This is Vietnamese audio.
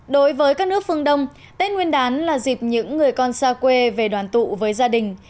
đối với các nước phương đông tết nguyên đán là dịp những người con xa quê về đoàn tụ với gia đình